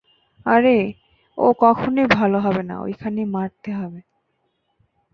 আরে, ও কখনোই ভালো হবে না ওইখানে মারতে হবে।